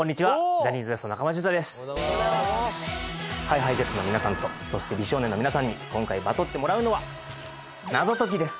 ジャニーズＷＥＳＴ中間淳太です。ＨｉＨｉＪｅｔｓの皆さんとそして美少年の皆さんに今回バトってもらうのは謎解きです。